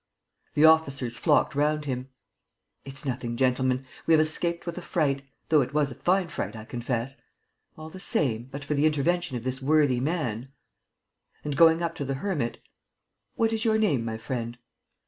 The officers flocked round him. "It's nothing, gentlemen. ... We have escaped with a fright ... though it was a fine fright, I confess. ... All the same, but for the intervention of this worthy man ..." And, going up to the hermit: "What is your name, my friend?"